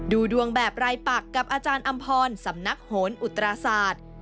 ดูดวงแบบรายปักกับอาจารย์อำพรสำนักโหนอุตราศาสตร์